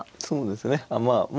そうですねまあ